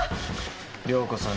涼子さん